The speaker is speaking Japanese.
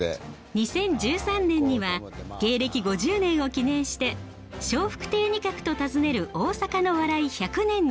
２０１３年には芸歴５０年を記念して「笑福亭仁鶴と訪ねる大阪の笑い１００年」に出演。